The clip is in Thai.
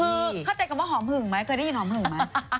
คือเข้าใจคำว่าหอมหึ่งมั้ยเคยได้ยินหอมหึ่งมั้ย